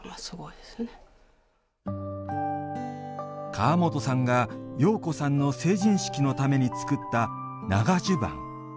川本さんが、庸子さんの成人式のために作った長じゅばん。